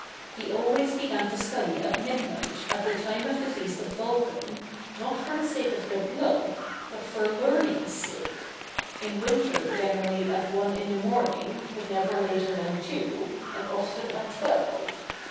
He always began to study at midnight at the time of the feast of Vulcan, not for the sake of good luck, but for learning's sake; in winter generally at one in the morning, but never later than two, and often at twelve.